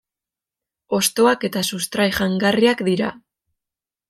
Hostoak eta sustrai jangarriak dira.